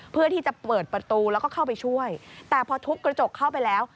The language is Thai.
เพื่อที่จะเปิดประตูแล้วก็เข้าไปช่วยแต่พอทุบกระจกเข้าไปแล้ว